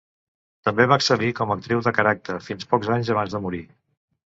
També va excel·lir com a actriu de caràcter fins pocs anys abans de morir.